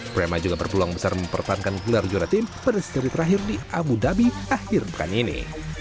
prima juga berpeluang besar mempertahankan gelar juara tim pada seri terakhir di abu dhabi akhir pekan ini